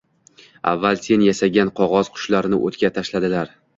Avval sen yasagan qog’oz qushlarni o’tga tashladilar